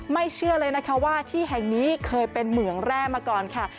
เชื่อเลยนะคะว่าที่แห่งนี้เคยเป็นเหมืองแร่มาก่อนค่ะ